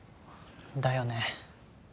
だよね。